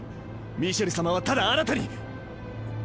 ミシェル様はただあなたに。